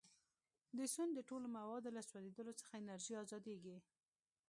د سون د ټولو موادو له سوځولو څخه انرژي ازادیږي.